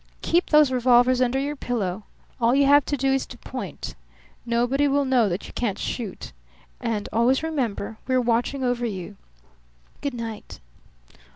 Keep those revolvers under your pillow. All you have to do is to point. Nobody will know that you can't shoot. And always remember, we're watching over you. Good night."